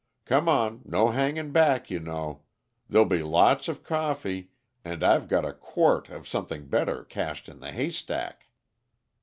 Come on no hanging back, you know. There'll be lots of coffee, and I've got a quart of something better cached in the haystack!"